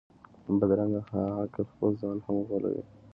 بدرنګه عقل خپل ځان هم غولوي